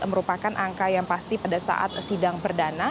merupakan angka yang pasti pada saat sidang perdana